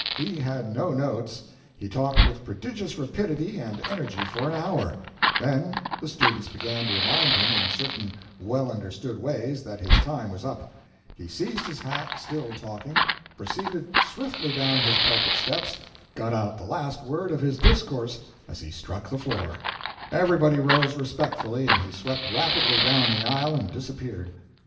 He had no notes, he talked with prodigious rapidity and energy for an hour then the students began to remind him in certain well understood ways that his time was up; he seized his hat, still talking, proceeded swiftly down his pulpit steps, got out the last word of his discourse as he struck the floor; everybody rose respectfully, and he swept rapidly down the aisle and disappeared.